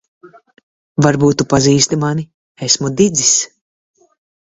Varbūt tu pazīsti mani. Esmu Didzis.